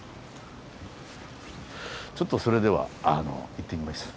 ちょっとそれでは行ってみます。